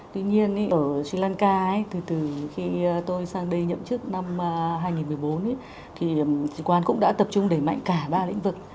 tuy nhiên ở sri lanka từ khi tôi sang đây nhậm chức năm hai nghìn một mươi bốn thì sứ quán cũng đã tập trung đẩy mạnh cả ba lĩnh vực